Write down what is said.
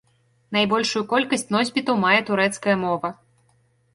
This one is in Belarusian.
Найбольшую колькасць носьбітаў мае турэцкая мова.